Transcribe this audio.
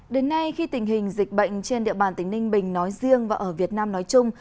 đến nay khi tình hình dịch bệnh trên địa bàn tỉnh ninh bình nói riêng và ở việt nam nói chung